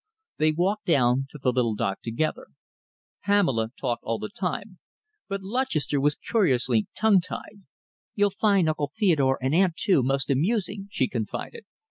They walked down to the little dock together. Pamela talked all the time, but Lutchester was curiously tongue tied. "You'll find Uncle Theodore, and aunt, too, most amusing," she confided.